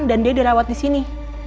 dan dia dirawat di sini